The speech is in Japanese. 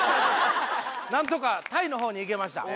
なんとかタイのほうに行けました。